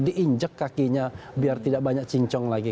diinjek kakinya biar tidak banyak cincong lagi